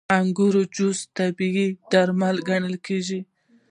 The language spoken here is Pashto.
• د انګورو جوس طبیعي درمل ګڼل کېږي.